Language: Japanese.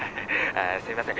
すみません。